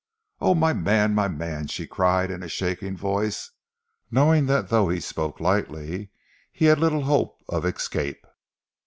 "Oh my man! my man!" she cried in a shaking voice, knowing that though he spoke lightly, he had little hope of escape.